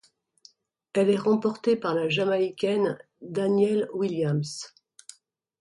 Elle est remportée par la Jamaïcaine Danielle Williams.